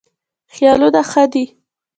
خیالونه ښه دي.